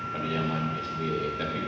pernyambahan sbi dan pertama